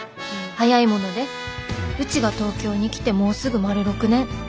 「早いものでうちが東京に来てもうすぐ丸６年。